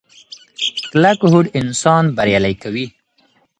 کلکه هوډ انسان بریالی کوي.